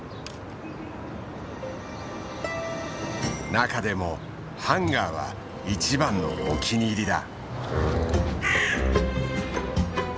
中でもハンガーは一番のお気に入りだ。